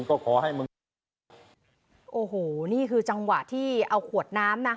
โอ้โหนี่คือจังหวะที่เอาข่วดน้ำนะ